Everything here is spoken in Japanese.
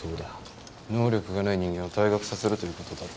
能力がない人間を退学させるということだろ。